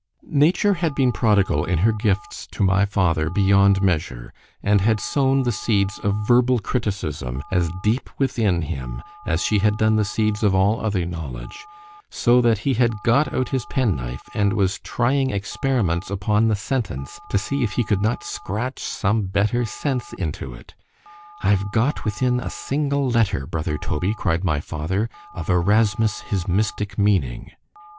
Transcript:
Nature had been prodigal in her gifts to my father beyond measure, and had sown the seeds of verbal criticism as deep within him, as she had done the seeds of all other knowledge——so that he had got out his penknife, and was trying experiments upon the sentence, to see if he could not scratch some better sense into it.——I've got within a single letter, brother Toby, cried my father, of Erasmus his mystic meaning.